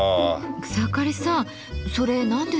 草刈さんそれ何ですか？